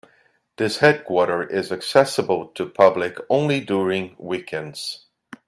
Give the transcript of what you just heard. This headquarter is accessible to public only during weekends.